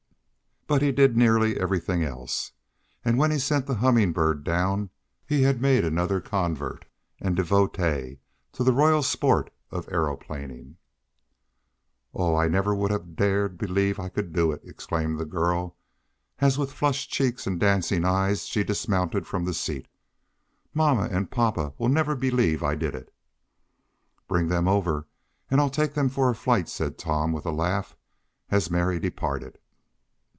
But he did nearly everything else, and when he sent the Humming Bird down he had made another convert and devotee to the royal sport of aeroplaning. "Oh! I never would have dared believe I could do it!" exclaimed the girl, as with flushed cheeks and dancing eyes she dismounted from the seat. "Mamma and papa will never believe I did it!" "Bring them over, and I'll take them for a flight," said Tom, with a laugh, as Mary departed.